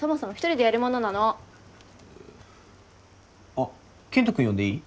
あっ健人君呼んでいい？